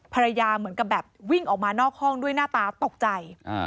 ภรรยาเหมือนกับแบบวิ่งออกมานอกห้องด้วยหน้าตาตกใจ